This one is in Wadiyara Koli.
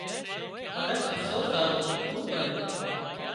منک افسوس هارو کوٻ آيان